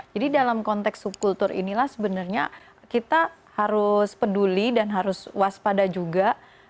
jadi dalam konteks subkultur inilah sebenarnya kita harus peduli dan harus waspada juga